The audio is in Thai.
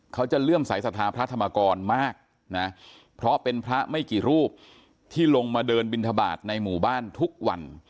เลื่อมสายศรัทธาพระธรรมกรมากนะเพราะเป็นพระไม่กี่รูปที่ลงมาเดินบินทบาทในหมู่บ้านทุกวัน